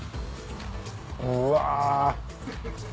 うわ。